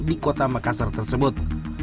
di kota makassar tersebut